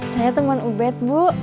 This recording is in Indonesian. saya teman ubed bu